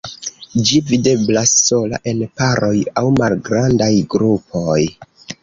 Ĝi videblas sola, en paroj aŭ malgrandaj grupoj.